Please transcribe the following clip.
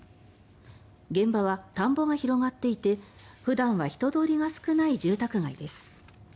現場は田んぼが広がっていて普段は人通りが少ない住宅街です。